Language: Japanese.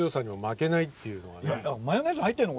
マヨネーズ入ってんの？